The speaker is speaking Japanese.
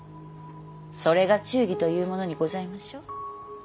それが忠義というものにございましょう。